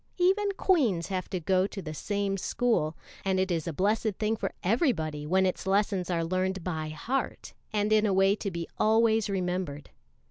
Even queens have to goto the same school, and it is a blessed thing for everybody when its lessons are learned by heart and in a way to be always remembered.